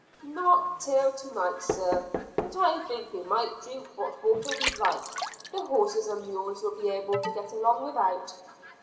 "Not till to night, sir, but I think we might drink what water we like. The horses and mules will be able to get along without."